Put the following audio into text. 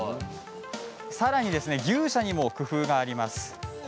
さらに牛舎にも工夫があります。